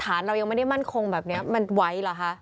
เรายังไม่ได้มั่นคงแบบนี้มันไหวเหรอคะ